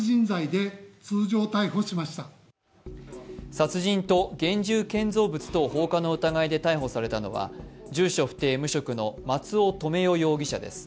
殺人と現住建造物等放火の疑いで逮捕されたのは住所不定・無職の松尾留与容疑者です。